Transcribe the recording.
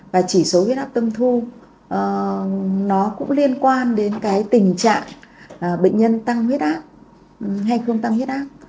và chỉ số huyết áp tâm thu nó cũng liên quan đến cái tình trạng bệnh nhân tăng huyết áp hay không tăng huyết áp